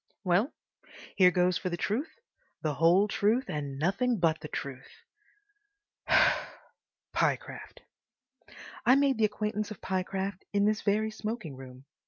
Well, here goes for the truth, the whole truth, and nothing but the truth! Pyecraft—. I made the acquaintance of Pyecraft in this very smoking room.